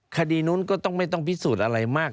คดีนู้นก็ต้องไม่ต้องพิสูจน์อะไรมาก